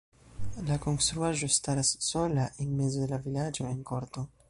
La konstruaĵo staras sola en mezo de la vilaĝo en korto.